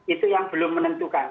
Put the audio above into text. itu yang belum menentukan